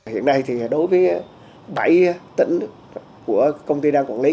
hiện nay thì đối với bảy tỉnh của công ty đang quản lý